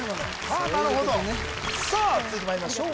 丙午のさあ続いてまいりましょう